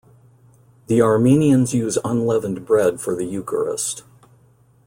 The Armenians use unleavened bread for the Eucharist.